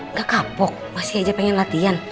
nggak kapok masih aja pengen latihan